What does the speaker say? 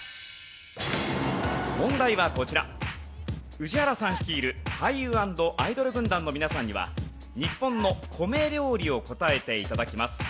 宇治原さん率いる俳優＆アイドル軍団の皆さんには日本の米料理を答えて頂きます。